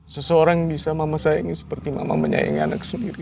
seseorang yang bisa mama sayani seperti mama menyayangi anak sendiri